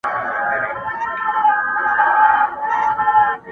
په حيرت حيرت پاچا ځان ته كتله؛